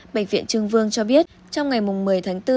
bệnh viện trưng vương cho biết trong ngày một mươi tháng bốn